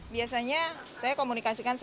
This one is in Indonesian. biasanya saya komunikasi dengan nita